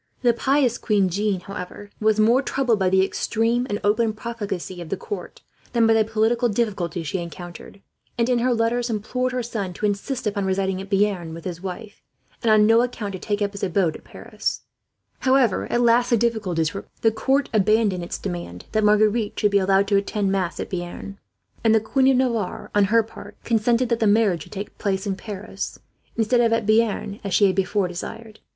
The pious queen, however, was more troubled by the extreme and open profligacy of the court than by the political difficulties she encountered and, in her letters, implored her son to insist upon residing at Bearn with his wife, and on no account to take up his abode at Paris. However, at last the difficulties were removed. The court abandoned its demand that Marguerite should be allowed to attend mass at Bearn; and the Queen of Navarre, on her part, consented that the marriage should take place at Paris, instead of at Bearn as she had before desired.